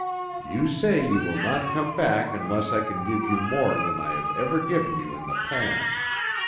"You say you will not come back unless I can give you more than I have ever given you in the past.